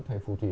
thầy phù thủy